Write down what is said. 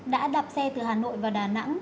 đã đạp xe từ hà nội và đà nẵng